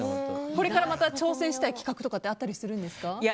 これからまた挑戦したい企画とかあったりするんですか？